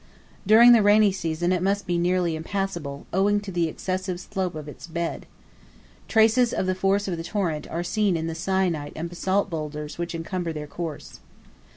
During the rainy season it must be nearly impassable, owing to the excessive slope of its bed. Traces of the force of the torrent are seen in the syenite and basalt boulders which encumber the course.